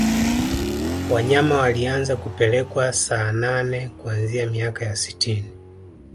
wanyama walianza kupelekwa saanane kuanzia miaka ya sitini